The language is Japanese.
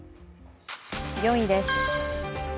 ４位です。